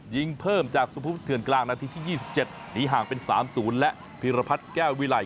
ยิงเพิ่มจากสุภุทือนกลางนาทีที่ยี่สิบเจ็ดหนีห่างเป็นสามศูนย์และพิรพัฒน์แก้ววิลัย